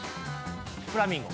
フラミンゴ。